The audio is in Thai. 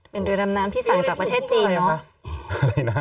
เป็นเดือนดำน้ำที่ส่งจากประเทศจีน